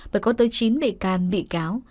và có tới chín bị can bị cáo